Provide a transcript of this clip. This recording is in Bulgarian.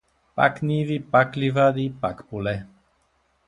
Пак ниви, пак ливади, пак поле.